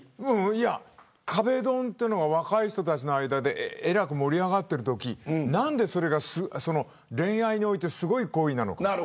壁ドンというのが若い人の間でえらく盛り上がっているときなんでそれが恋愛においてすごい行為なのかとか。